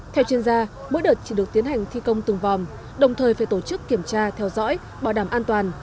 theo chuyên gia mỗi đợt chỉ được tiến hành thi công từng vòm đồng thời phải tổ chức kiểm tra theo dõi bảo đảm an toàn